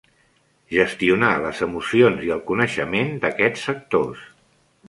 Gestionar les emocions i el coneixement d'aquests sectors.